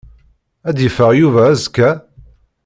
Ad yeffeɣ Yuba azekka?